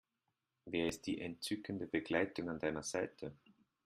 Wer ist die entzückende Begleitung an deiner Seite?